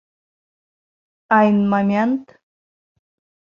Айн момент!..